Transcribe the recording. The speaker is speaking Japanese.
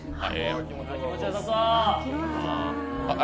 気持ちよさそう。